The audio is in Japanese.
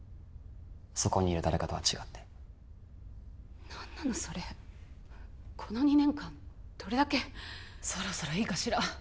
そこにいる誰かとは違って何なのそれこの２年間どれだけそろそろいいかしら